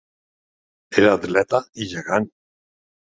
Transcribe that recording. Era atleta i gegant.